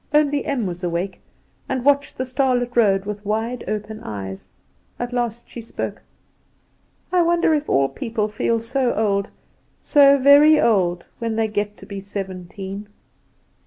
Only Em was awake, and watched the starlit road with wide open eyes. At last she spoke. "I wonder if all people feel so old, so very old, when they get to be seventeen?"